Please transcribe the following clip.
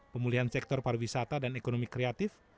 pemulihan sektor pariwisata dan ekonomi kreatif